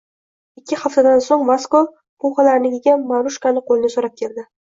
Ikki haftadan soʻng Vasko Puxalalarnikiga Marushaning qoʻlini soʻrab keldi.